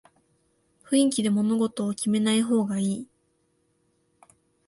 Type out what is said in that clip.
雰囲気で物事を決めない方がいい